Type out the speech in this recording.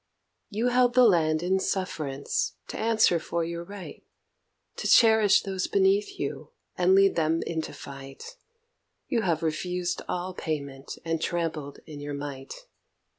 You held the land in sufferance to answer for your right, To cherish those beneath you and lead them into fight; You have refused all payment, and trampled in your might.